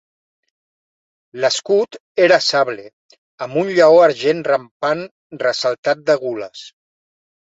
L'escut era sable, amb un lleó argent rampant ressaltat de gules.